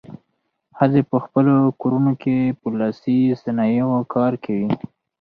ښځې په خپلو کورونو کې په لاسي صنایعو کار کوي.